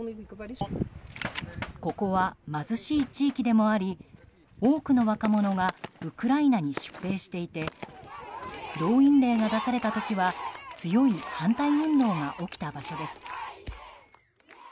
ここは貧しい地域でもあり多くの若者がウクライナに出兵していて動員令が出された時は強い反対運動が起きた場所です。